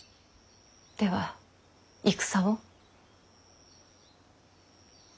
では戦を？